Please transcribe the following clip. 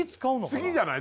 次じゃない？